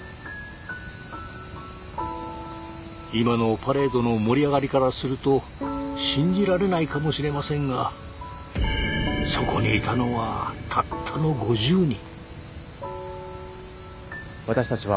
今のパレードの盛り上がりからすると信じられないかもしれませんがそこにいたのはたったの５０人。